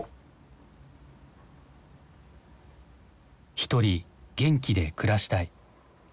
ひとり元気で暮らしたい。